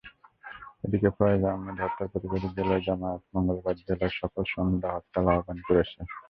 এদিকে ফয়েজ আহমদের হত্যার প্রতিবাদে জেলা জামায়াত মঙ্গলবার জেলায় সকাল-সন্ধ্যা হরতাল আহ্বান করেছে।